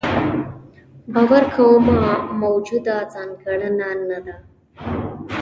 باور کومه موجوده ځانګړنه نه ده.